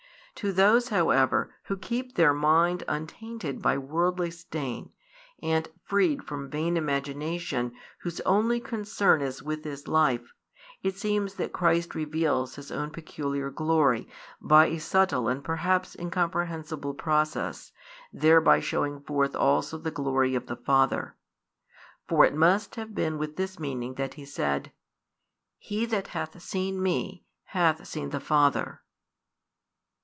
To those however who keep their mind untainted by worldly stain, and freed from vain imagination whose only concern is with this life, it seems that Christ reveals His own peculiar glory by a subtle and perhaps incomprehensible process, thereby showing forth also the glory of the Father. For it must have been with this meaning that He said: He that hath seen Me hath seen the Father.